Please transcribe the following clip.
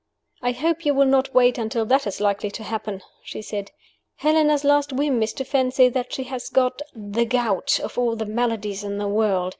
"I hope you will not wait until that is likely to happen," she said. "Helena's last whim is to fancy that she has got the gout, of all the maladies in the world!